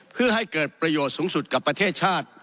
เพื่อให้เกิดประโยชน์สูงสุดกับประเทศชาติ